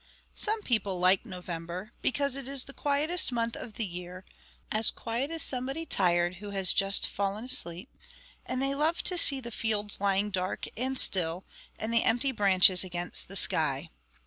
Some people like November, because it is the quietest month of the year as quiet as somebody tired, who has just fallen asleep and they love to see the fields lying dark and still, and the empty branches against the sky.